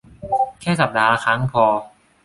แค่สัปดาห์ละครั้งก็พอ